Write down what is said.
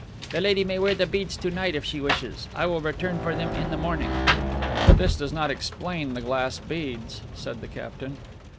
"The lady may wear the beads to night if she wishes. I will return for them in the morning." "But this does not explain the glass beads," said the captain.